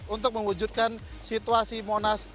untuk mewujudkan situasi monas